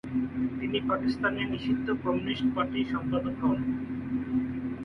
তিনি পাকিস্তানে নিষিদ্ধ কমিউনিস্ট পার্টির সম্পাদক হন।